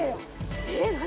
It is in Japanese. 「えっ！何？